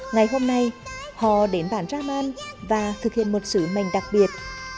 ngày hôm nay họ đến bản raman và thực hiện một sứ mệnh đặc biệt